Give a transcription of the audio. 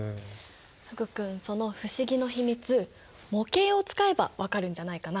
福くんその不思議の秘密模型を使えば分かるんじゃないかな？